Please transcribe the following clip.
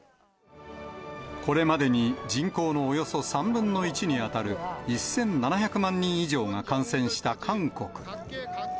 これまでに、人口のおよそ３分の１に当たる、１７００万人以上が感染した韓国。